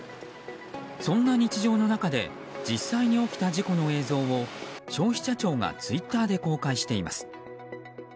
そんな日常の中で実際に起きた事故の映像を消費者庁がツイッターで公開しています。